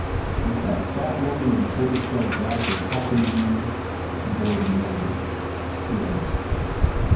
"Was that fat woman in tortoise shell glasses talkin to you ?" The boy demanded. "Yes."